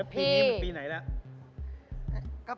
พีนี้มันปีไหนละ